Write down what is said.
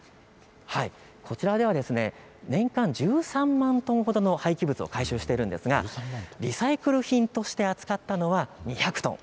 こちらでは年間１３万トンほどの廃棄物を回収していますが、リサイクル品として扱ったのは２００トン。